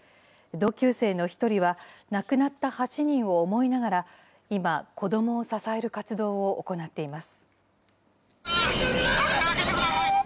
同級生の一人は、亡くなった８人を思いながら、今、子どもを支える活動を行っています。